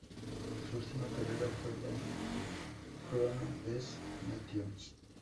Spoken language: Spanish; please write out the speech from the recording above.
Su última carrera fue la Chrono des Nations.